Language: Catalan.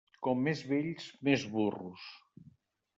Com més vells, més burros.